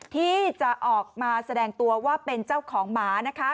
ที่จะออกมาแสดงตัวว่าเป็นเจ้าของหมานะคะ